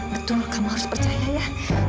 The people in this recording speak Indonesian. betul kamu harus percaya ya